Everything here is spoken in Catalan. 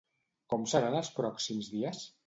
Com seran els pròxims dies?